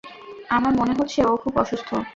আমার মনে হচ্ছে ও খুব অসুস্থ।